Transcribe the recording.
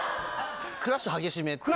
クラッシュ激しめっていう。